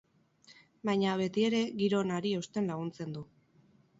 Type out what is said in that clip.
Baina, betiere, giro onari eusten laguntzen du.